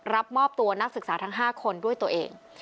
รับมอบตัวนักศึกษาทั้ง๕คนด้วยตัวเอง